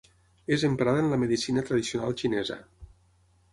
És emprada en la medicina tradicional xinesa.